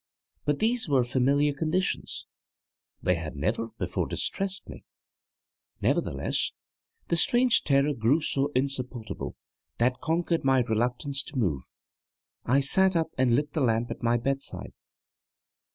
But these were familiar conditions; they had never before distressed me. Nevertheless, the strange terror grew so insupportable that conquering my reluctance to move I sat up and lit the lamp at my bedside.